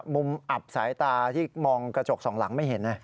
อับสายตาที่มองกระจกสองหลังไม่เห็นนะ